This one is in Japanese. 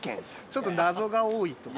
ちょっと謎が多いという。